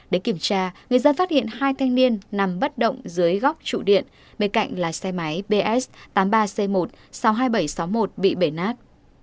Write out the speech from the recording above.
để kiểm tra người dân phát hiện hai thanh niên nằm bất động dưới góc trụ điện bên cạnh là xe máy bs tám mươi ba c một sáu mươi hai nghìn bảy trăm sáu mươi một bị bể nát